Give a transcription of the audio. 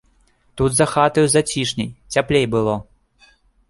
Тут за хатаю зацішней, цяплей было.